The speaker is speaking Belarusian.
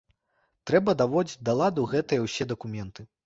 Трэба даводзіць да ладу гэтыя ўсе дакументы.